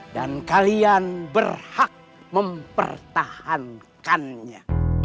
dan kalian berhak mempertahankannya